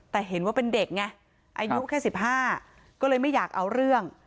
แต่เห็นว่าเป็นเด็กไงอายุแค่๑๕ก็เลยไม่อยากเอาเรื่อง